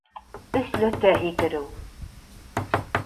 Өсләтә һикереү